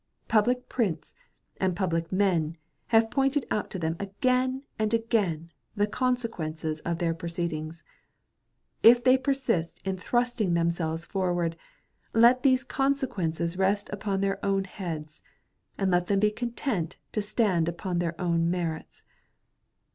Public prints, and public men, have pointed out to them again and again, the consequences of their proceedings. If they persist in thrusting themselves forward, let those consequences rest upon their own heads, and let them be content to stand upon their own merits.